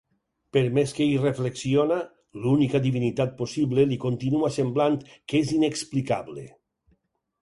Per més que hi reflexiona, l'única divinitat possible li continua semblant que és l'inexplicable.